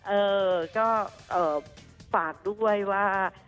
เออก็ฝากลูกไว้ว่า